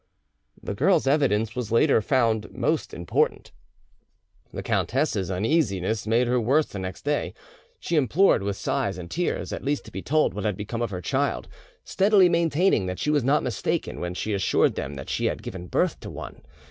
The girl's evidence was later found most important. The countess's uneasiness made her worse the next day. She implored with sighs and tears at least to be told what had become of her child, steadily maintaining that she was not mistaken when she assured them that she had given birth to one.